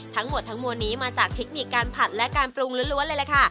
ทั้งหมดทั้งมวลนี้มาจากเทคนิคการผัดและการปรุงล้วนเลยล่ะค่ะ